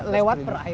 lewat perairan ini